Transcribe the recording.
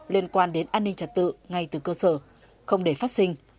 liên quan đến an ninh trật tự ngay từ cơ sở không để phát sinh